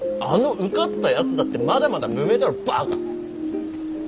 あの受かったやつだってまだまだ無名だろばか！